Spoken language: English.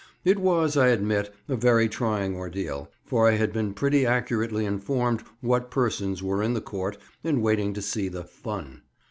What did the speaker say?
It was, I admit, a very trying ordeal, for I had been pretty accurately informed what persons were in the court and waiting to see the "fun."